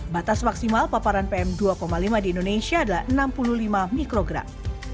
batas maksimal paparan pm dua lima di indonesia adalah enam puluh lima mikrogram